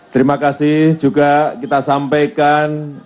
terima kasih juga kita sampaikan